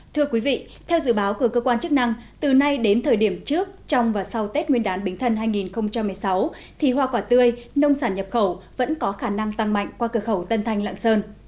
thưa quý vị theo dự báo của cơ quan chức năng từ nay đến thời điểm trước trong và sau tết nguyên đán bính thần hai nghìn một mươi sáu thì hoa quả tươi nông sản nhập khẩu vẫn có khả năng tăng mạnh qua cửa khẩu tân thanh lạng sơn